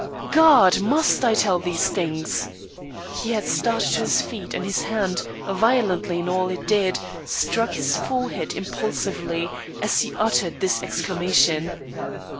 "God! Must I tell these things?" He had started to his feet and his hand, violent in all it did, struck his forehead impulsively, as he uttered this exclamation.